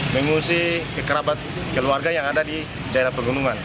mengungsi ke kerabat keluarga yang ada di daerah pegunungan